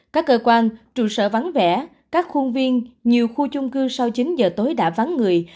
các cơ quan trụ sở vắng vẻ các khuôn viên nhiều khu chung cư sau chín giờ tối đã vắng người